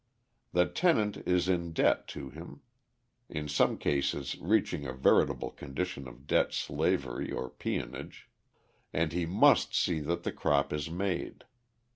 The tenant is in debt to him (in some cases reaching a veritable condition of debt slavery or peonage) and he must see that the crop is made.